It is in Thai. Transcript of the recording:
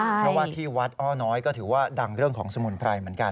เพราะว่าที่วัดอ้อน้อยก็ถือว่าดังเรื่องของสมุนไพรเหมือนกัน